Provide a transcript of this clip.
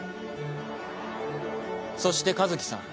そして一樹さん。